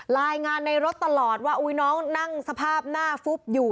รายงานในรถตลอดว่าอุ๊ยน้องนั่งสภาพหน้าฟุบอยู่